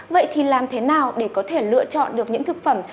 vậy thì làm thế nào để có thể lựa chọn được những thực phẩm